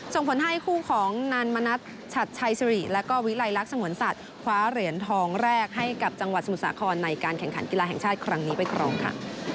ส่งผลให้คู่ของนานมณัฐชัดชัยสิริแล้วก็วิลัยลักษณ์สงวนสัตว์คว้าเหรียญทองแรกให้กับจังหวัดสมุทรสาครในการแข่งขันกีฬาแห่งชาติครั้งนี้ไปครองค่ะ